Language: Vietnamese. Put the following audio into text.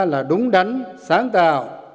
là đúng đắn sáng tạo